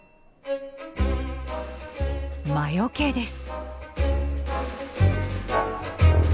魔よけです。